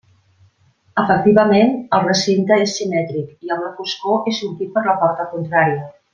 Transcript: Efectivament, el recinte és simètric i amb la foscor he sortit per la porta contrària.